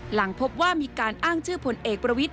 หลังพบว่ามีการอ้างชื่อผลเอกประวิทธ